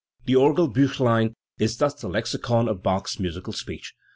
The Orgelbuchlein is thus the lexicon of Bach's musical speech.